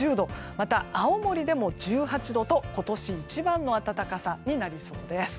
また青森でも１８度と今年一番の暖かさになりそうです。